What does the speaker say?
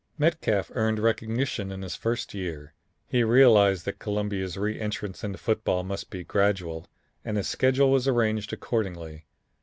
Metcalf earned recognition in his first year. He realized that Columbia's re entrance into football must be gradual, and his schedule was arranged accordingly.